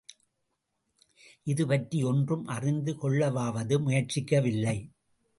இதுபற்றி ஒன்றும் அறிந்து கொள்ளவாவது முயற்சிக்கவில்லை.